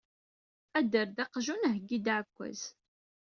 Adder-d aqjun, heggi-d aɛekkaz.